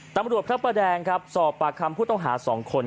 ตำรวจพระประแดงครับสอบปากคำผู้ต้องหาสองคน